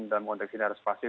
dalam konteks ini harus pasti